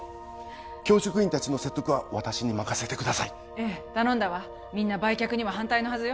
教職員達の説得は私に任せてくださいええ頼んだわみんな売却には反対のはずよ